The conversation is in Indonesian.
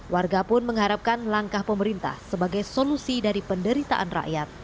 warga pun mengharapkan langkah pemerintah sebagai solusi dari penderitaan rakyat